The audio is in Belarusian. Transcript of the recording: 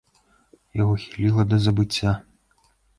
Яго хіліла да забыцця.